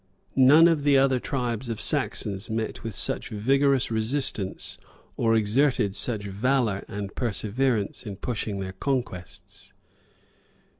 None of the other tribes of Saxons met with such vigorous resistance, or exerted such valor and perseverance in pushing their conquests.